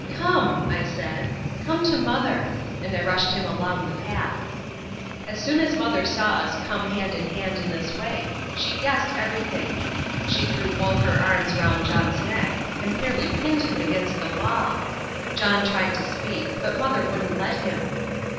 "Come," I said, "come to Mother," and I rushed him along the path. As soon as Mother saw us come in hand in hand in this way, she guessed everything. She threw both her arms round John's neck and fairly pinned him against the wall. John tried to speak, but Mother wouldn't let him.